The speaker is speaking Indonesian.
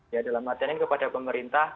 ya dalam artian ini kepada pemerintah